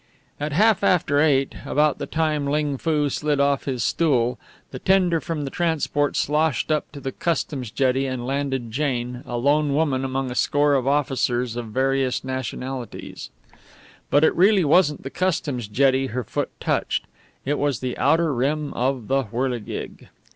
At half after eight about the time Ling Foo slid off his stool the tender from the transport sloshed up to the customs jetty and landed Jane, a lone woman among a score of officers of various nationalities. But it really wasn't the customs jetty her foot touched; it was the outer rim of the whirligig.